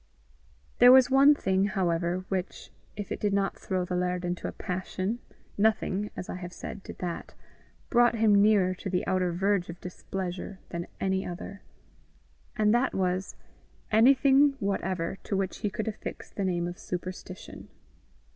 There was one thing, however, which, if it did not throw the laird into a passion nothing, as I have said, did that brought him nearer to the outer verge of displeasure than any other, and that was, anything whatever to which he could affix the name of superstition.